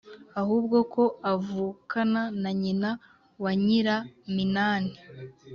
ahubwo ko avukana na nyina wa nyiraminani